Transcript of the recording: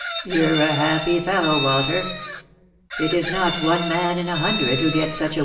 You're a happy fellow, Walter. It is not one man in a hundred who gets such a.